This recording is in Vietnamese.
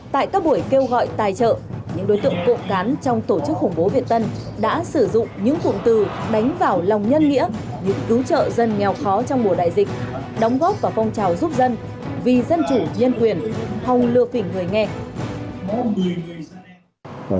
tại các buổi kêu gọi tài trợ những đối tượng cộng cán trong tổ chức khủng bố việt tân đã sử dụng những cụm từ đánh vào lòng nhân nghĩa cứu trợ dân nghèo khó trong mùa đại dịch đóng góp vào phong trào giúp dân vì dân chủ nhân quyền hòng lừa phỉnh người nghe